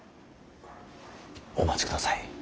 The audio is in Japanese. お待ちください。